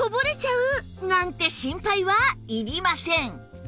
なんて心配はいりません